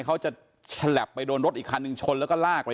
เขาจะฉลับไปโดนรถอีกคันหนึ่งชนแล้วก็ลากไป